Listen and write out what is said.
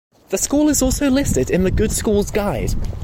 The school is also listed in the "Good Schools Guide".